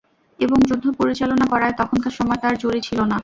এবং যুদ্ধ পরিচালনা করায় তখনকার সময় তাঁর জুড়ি ছিল না।